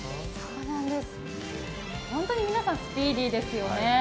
本当に皆さん、スピーディーですよね。